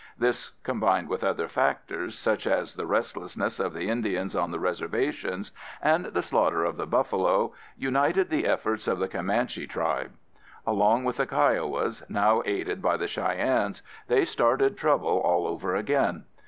This combined with other factors, such as the restlessness of the Indians on the reservations, and the slaughter of the buffalo, united the efforts of the Comanche tribe. Along with the Kiowas, now aided by the Cheyennes, they started trouble all over again.